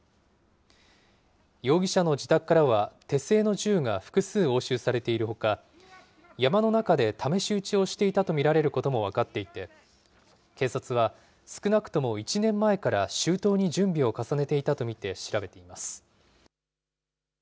容疑者の自宅からは手製の銃が複数押収されているほか、山の中で試し撃ちをしていたと見られることも分かっていて、警察は少なくとも１年前から周到に準備を重ねていたと見て調べています。